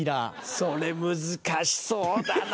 それ難しそうだな